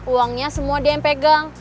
uangnya semua dia yang pegang